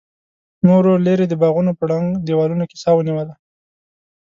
نورو ليرې د باغونو په ړنګو دېوالونو کې سا ونيوله.